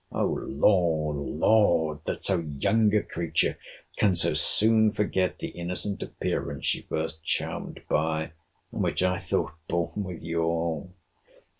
O Lord! Lord! that so young a creature can so soon forget the innocent appearance she first charmed by; and which I thought born with you all!